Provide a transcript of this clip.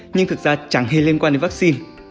nhưng thực ra chẳng hề liên quan đến vaccine